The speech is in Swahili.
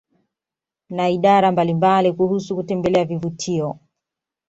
na idara mbalimbalia kuhusu kutembelea vivutio vya